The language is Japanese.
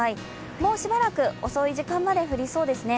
もうしばらく遅い時間まで降りそうですね。